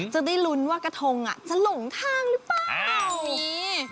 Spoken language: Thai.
จะได้ลุ้นว่ากระทงจะหลงทางหรือเปล่า